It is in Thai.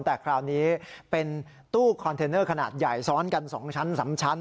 แต่คราวนี้เป็นตู้คอนเทนเนอร์ขนาดใหญ่ซ้อนกัน๒ชั้น๓ชั้น